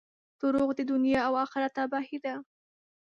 • دروغ د دنیا او آخرت تباهي ده.